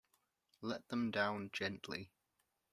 Let them down gently.